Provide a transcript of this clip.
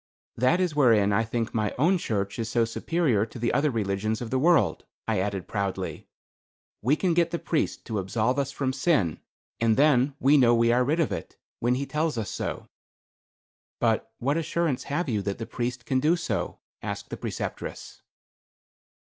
"That is wherein I think my own church is so superior to the other religions of the world," I added, proudly. "We can get the priest to absolve us from sin, and then we know we are rid of it, when he tells us so." "But what assurance have you that the priest can do so?" asked the Preceptress.